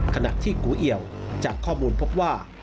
ขณะที่กูเอี่ยวจากข้อมูลพบว่า